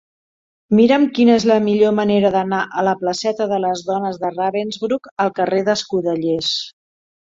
Mira'm quina és la millor manera d'anar de la placeta de les Dones de Ravensbrück al carrer d'Escudellers.